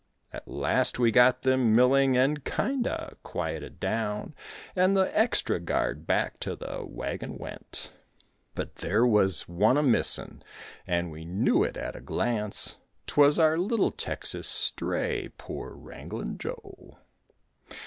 At last we got them milling and kinda quieted down, And the extra guard back to the wagon went; But there was one a missin' and we knew it at a glance, 'Twas our little Texas stray, poor Wrangling Joe.